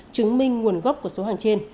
chứng minh nguồn gốc của số hàng trên